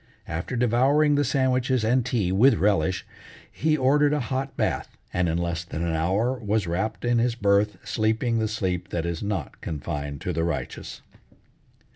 After devouring the sandwiches and tea with relish, he ordered a hot bath, and in less than an hour was wrapped in his berth sleeping the sleep that is not confined to the righteous.